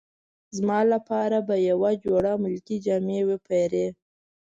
زما لپاره به یوه جوړه ملکي جامې وپیرې.